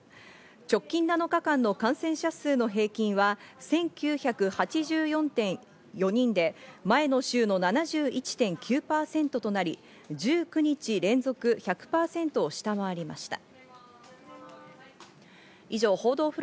直近７日間の感染者数の平均は１９８４．４人で前の週の７１．９％となり、１９日連続１００％を下回りました。